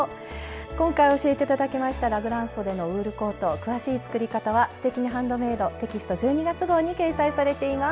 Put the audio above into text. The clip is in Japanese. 今回教えていただきましたラグランそでのウールコート詳しい作り方は「すてきにハンドメイド」テキスト１２月号に掲載されています。